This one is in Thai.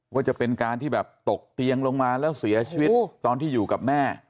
ว่าจะเป็นการที่แบบตกเตียงลงมาแล้วเสียชีวิตตอนที่อยู่กับแม่